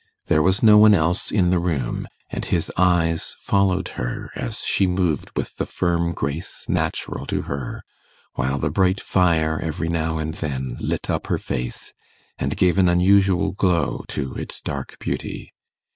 There was no one else in the room, and his eyes followed her as she moved with the firm grace natural to her, while the bright fire every now and then lit up her face, and gave an unusual glow to its dark beauty.